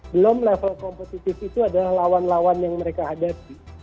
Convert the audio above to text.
belum level kompetitif itu adalah lawan lawan yang mereka hadapi